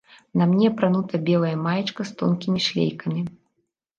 На мне апранута белая маечка з тонкімі шлейкамі.